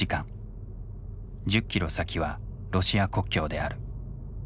１０キロ先はロシア国境である。